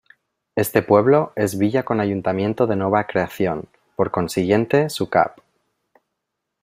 Este pueblo es villa con ayuntamiento de nueva creación; por consiguiente su Cap.